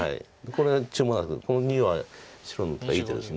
これは注文なんですけどこの②は白の手はいい手です。